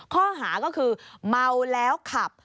ข้อหาก็คือเมาแล้วขับ